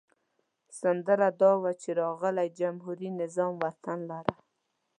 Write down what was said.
سندره دا وه چې راغی جمهوري نظام وطن لره.